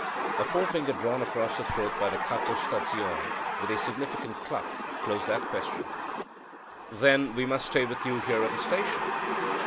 A forefinger drawn across the throat by the Capo Stazione with a significant "cluck" closed that question. "Then we must stay with you here at the station."